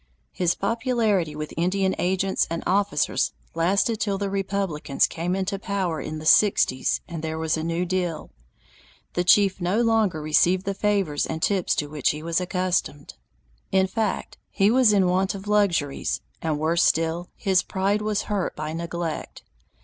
His popularity with Indian agents and officers lasted till the Republicans came into power in the sixties and there was a new deal. The chief no longer received the favors and tips to which he was accustomed; in fact he was in want of luxuries, and worse still, his pride was hurt by neglect.